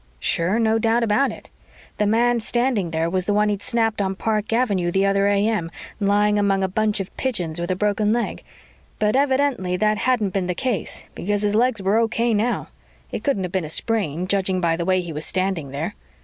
Sure, no doubt about it. The man standing there was the one he'd snapped on Park Avenue the other A.M., lying among a bunch of pigeons, with a broken leg. But evidently that hadn't been the case because his legs were okay now. It couldn't even have been a sprain, judging by the way he was standing there.